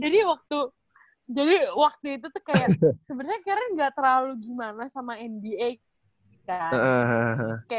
jadi waktu jadi waktu itu tuh kayak sebenernya keren gak terlalu gimana sama nba kan